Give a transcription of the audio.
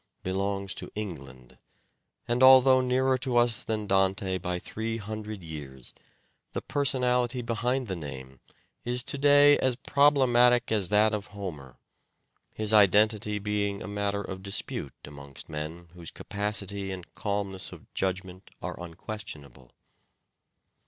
— belongs to England, and although nearer to us than Dante by three hundred years, the personality behind the name is to day as problematic as that of Homer ; his identity being a matter of dispute amongst men whose capacity and calmness of judgment are unquestionable.